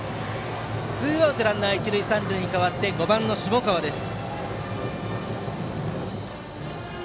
ツーアウトランナー、一塁三塁に変わって打席は５番の下川です。